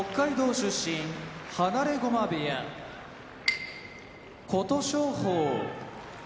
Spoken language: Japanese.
出身放駒部屋琴勝峰